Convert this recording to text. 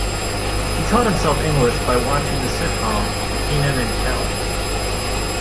He taught himself English by watching the sitcom Kenan and Kel.